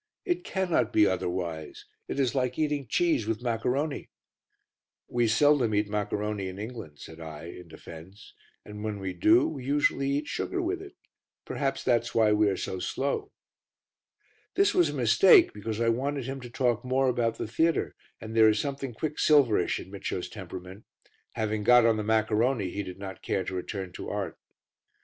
It cannot be otherwise. It is like eating cheese with maccaroni." "We seldom eat maccaroni in England," said I, in defence, "and when we do we usually eat sugar with it; perhaps that is why we are so slow." This was a mistake because I wanted him to talk more about the theatre, and there is something quicksilverish in Micio's temperament; having got on the maccaroni he did not care to return to art.